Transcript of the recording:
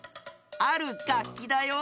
あるがっきだよ。